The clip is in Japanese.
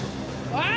おい！